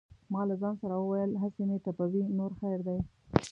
ما له ځانه سره وویل: هسې مې ټپوي نور خیر دی.